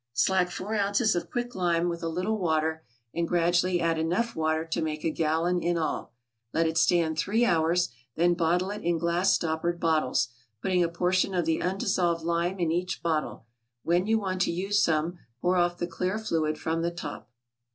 = Slack four ounces of quick lime with a little water, and gradually add enough water to make a gallon in all; let it stand three hours, then bottle it in glass stoppered bottles, putting a portion of the undissolved lime in each bottle; when you want to use some, pour off the clear fluid from the top.